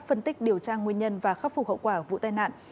phân tích điều tra nguyên nhân và khắc phục hậu quả vụ tai nạn